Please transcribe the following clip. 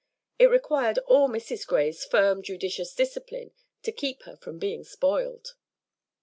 It required all Mrs. Gray's firm, judicious discipline to keep her from being spoiled.